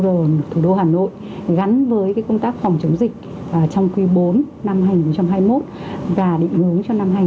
ở thủ đô hà nội gắn với cái công tác phòng chống dịch trong quy bốn năm hai nghìn hai mươi một và định hướng cho năm hai nghìn hai mươi hai